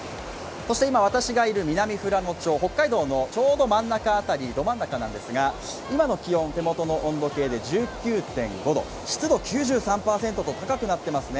今、私がいる南富良野町、北海道のちょうど真ん中辺りど真ん中なんですが、今の気温、手元の温度計で１９．５度、湿度９３％と高くなっていますね。